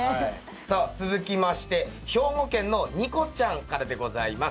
さあ続きまして兵庫県のにこちゃんからでございます。